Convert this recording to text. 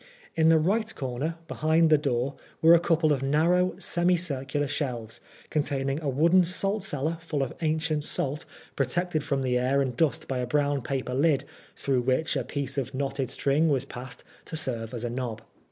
In the right comer, behind the door, were a couple of narrow semi circular shelves, containing a wooden salt cellar full of ancient salt, protected from the air and dust by a brown paper lid, through which a piece of knotted string was passed to serve as a knob.